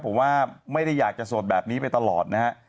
ผมว่าไม่ได้อยากจะโสดแบบนี้ไปตลอดนะฮะ